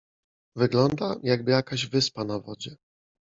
Wygląda, jakby jakaś wyspa na wodzie.